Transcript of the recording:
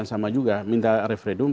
sama juga minta referendum